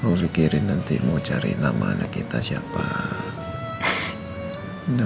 kamu pikirin nanti mau cari nama anak kita siapa